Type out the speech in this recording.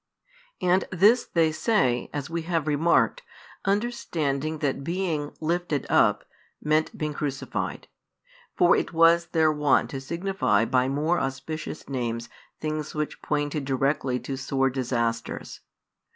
And this they say, as we have remarked, understanding that being "lifted up" meant being crucified. For it was their wont to signify by more auspicious names things which pointed directly to sore disasters.